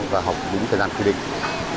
và học đúng thời gian quy định